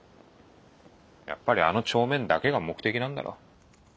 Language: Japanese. やっぱりあの帳面だけが目的なんだろう。